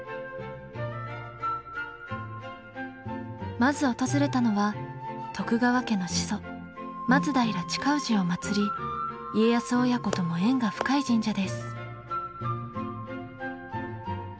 まず訪れたのは徳川家の始祖松平親氏を祭り家康親子とも縁が深い神社です。